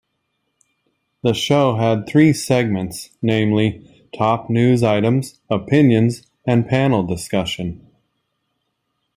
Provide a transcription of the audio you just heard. The show had three segments, namely: Top News Items, Opinions, and Panel Discussion.